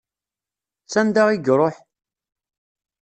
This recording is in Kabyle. S anda i iṛuḥ?